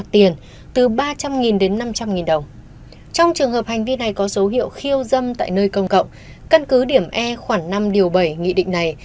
trong trường hợp hành vi này có dấu hiệu khiêu dâm tại nơi công cộng căn cứ điểm e khoảng năm điều bảy nghị định này